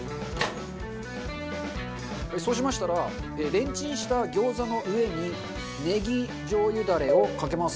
そうしましたらレンチンした餃子の上にネギじょう油ダレをかけます。